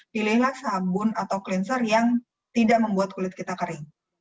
pilihlah sabun atau cleanser yang tidak membuat kulit kita kering